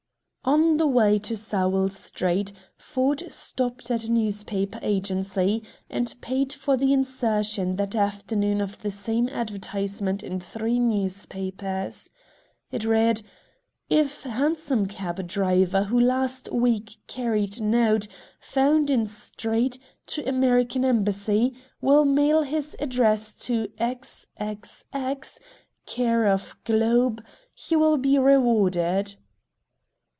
On the way to Sowell Street Ford stopped at a newspaper agency, and paid for the insertion that afternoon of the same advertisement in three newspapers. It read: "If hansom cab driver who last week carried note, found in street, to American Embassy will mail his address to X. X. X., care of GLOBE, he will be rewarded."